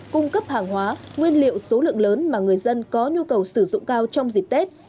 cung cấp hàng hóa nguyên liệu số lượng lớn mà người dân có nhu cầu sử dụng cao trong dịp tết